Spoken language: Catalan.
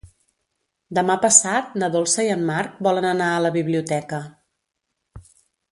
Demà passat na Dolça i en Marc volen anar a la biblioteca.